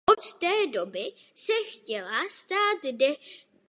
Od té doby se chtěla stát detektivem jako byl její otec.